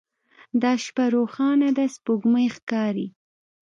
دا شپه روښانه ده سپوږمۍ ښکاري